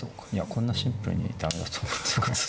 こんなシンプルに駄目だと思ってなかったです